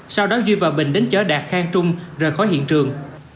sau đó duy và bình đến chở đạt khang trung rời khỏi hiện trường